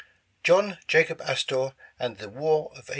JOHN JACOB ASTOR AND THE WAR OF 1812.